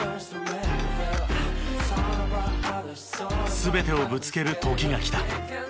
全てをぶつける時が来た。